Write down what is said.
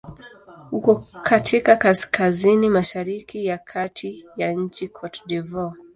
Uko katika kaskazini-mashariki ya kati ya nchi Cote d'Ivoire.